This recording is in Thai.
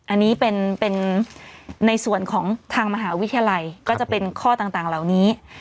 อันนี้เป็นในส่วนของทางมหาวิทยาลัยก็จะเป็นข้อต่างเหล่านี้